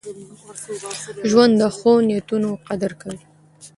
ژوند د ښو نیتونو قدر کوي.